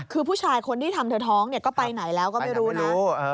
คือผู้ชายคนที่ทำเธอท้องเนี่ยก็ไปไหนแล้วก็ไม่รู้นะ